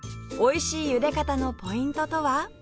おいしいゆで方のポイントとは？